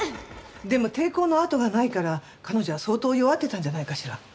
でも抵抗の痕がないから彼女は相当弱ってたんじゃないかしら。